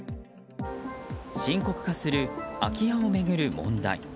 深刻化する空き家を巡る問題。